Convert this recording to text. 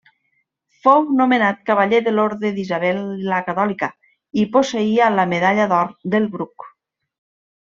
Fou nomenat cavaller de l'Orde d'Isabel la Catòlica i posseïa la medalla d'or del Bruc.